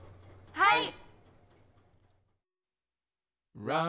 はい！